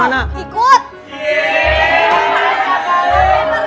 mau jadi kembar juga